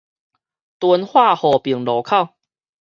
敦化和平路口